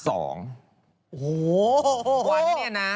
โอ้โห